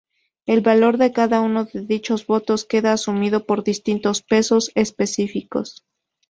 El valor de cada uno de dichos votos queda asumido por distintos "pesos" específicos.